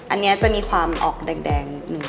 อันนี้จะมีความออกแดง